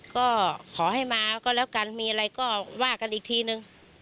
ก็ขอให้มาก็แล้วกันมีอะไรก็ว่ากันอีกทีนึง